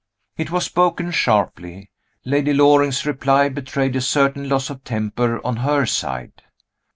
It was spoken sharply. Lady Loring's reply betrayed a certain loss of temper on her side.